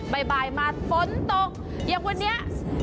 บ๊ายบายมาฝนตกอย่างวันเนี้ย